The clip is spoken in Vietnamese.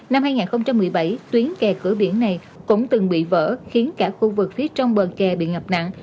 năm hai nghìn một mươi bảy tuyến kè cửa biển này cũng từng bị vỡ khiến cả khu vực phía trong bờ kè bị ngập nặng